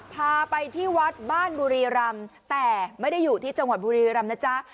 พาไปที่วัดบ้านบุรีรำแต่ไม่ได้อยู่ที่จังหวัดบุรีรำนะจ๊ะ